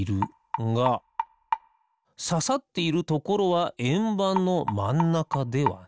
がささっているところはえんばんのまんなかではない。